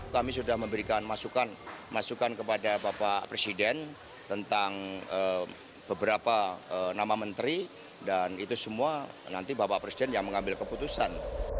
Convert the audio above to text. kami sudah memberikan masukan masukan kepada bapak presiden tentang beberapa nama menteri dan itu semua nanti bapak presiden yang mengambil keputusan